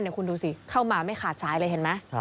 คุณดูสิเข้ามาไม่ขาดสายเลยเห็นไหม